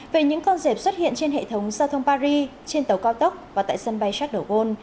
về những con dẹp xuất hiện trên hệ thống giao thông paris trên tàu cao tốc và tại sân bay shackwe